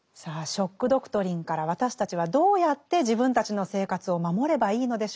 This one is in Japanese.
「ショック・ドクトリン」から私たちはどうやって自分たちの生活を守ればいいのでしょうか。